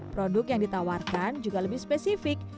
produk yang ditawarkan juga lebih spesifik